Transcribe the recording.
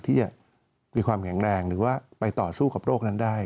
ที่จะมีความแข็งแรงหรือว่าไปต่อสู้กับโรคนั้นได้